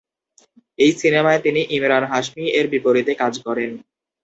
এই সিনেমায় তিনি ইমরান হাশমি এর বিপরীতে কাজ করেন।